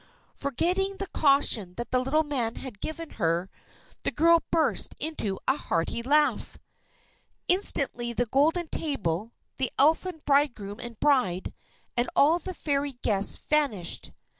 Forgetting the caution that the little man had given her, the girl burst into a hearty laugh. Instantly the golden table, the Elfin bridegroom and bride, and all the Fairy guests vanished.